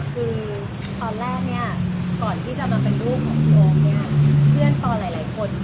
คือตอนแรกเนี่ยก่อนที่จะมาเป็นลูกของโอมเนี่ยเพื่อนปอหลายคน